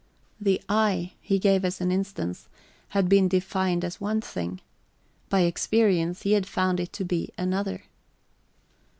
The eye, he gave as an instance, had been defined as one thing; by experience, he had found it to be another.